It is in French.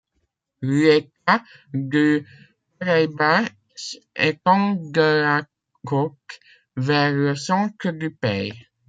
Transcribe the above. L'État du Paraïba s'étend de la côte vers le centre du pays.